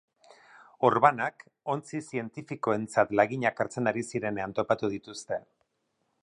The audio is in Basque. Orbanak ontzi zientifikoentzat laginak hartzen ari zirenean topatu dituzte.